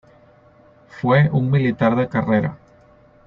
Fue un militar de carrera.